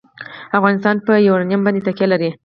افغانستان په یورانیم باندې تکیه لري.